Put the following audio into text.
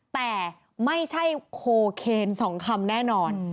แต่ไม่ใช่โคเคน๒คำแน่นอน